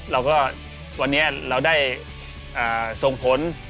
แล้วก็วันนี้เราได้ส่งผล